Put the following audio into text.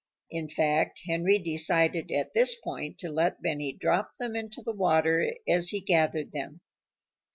In fact, Henry decided at this point to let Benny drop them into the water as he gathered them.